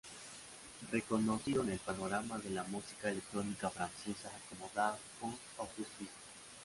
Reconocido en el panorama de la música electrónica francesa como Daft Punk o Justice.